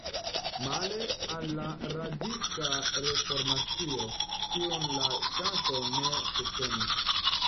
Male al la Radikala Reformacio, kiun la ŝtato ne subtenis.